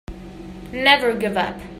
Never give up.